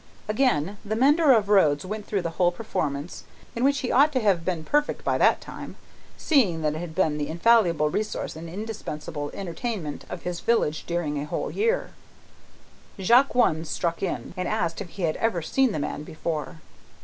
Again the mender of roads went through the whole performance; in which he ought to have been perfect by that time, seeing that it had been the infallible resource and indispensable entertainment of his village during a whole year. Jacques One struck in, and asked if he had ever seen the man before?